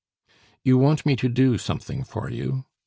"You want me to so something for you?"